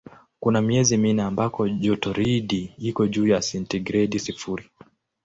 Kuna miezi minne ambako jotoridi iko juu ya sentigredi sifuri.